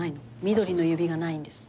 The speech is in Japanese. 緑の指がないんです。